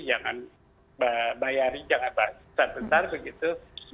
jangan bayari jangan besar besar begitu